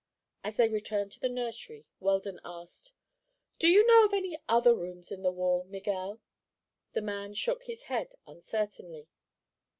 As they returned to the nursery, Weldon asked: "Do you know of any other rooms in the wall, Miguel?" The man shook his head, uncertainly.